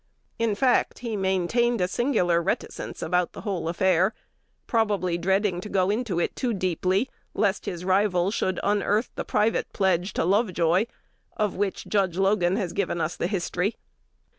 In fact, he maintained a singular reticence about the whole affair, probably dreading to go into it too deeply, lest his rival should unearth the private pledge to Lovejoy, of which Judge Logan has given us the history.